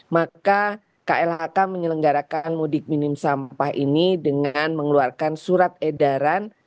maka klhk menyelenggarakan mudik minim sampah ini dengan mengeluarkan surat edaran